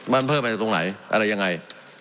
บรรเภิกก์มาจากตรงไหนอะไรยังไง